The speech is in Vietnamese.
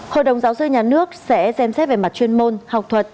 hội đồng giáo sư nhà nước sẽ xem xét về mặt chuyên môn học thuật